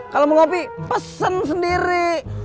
kalau mau ngopi pesen sendiri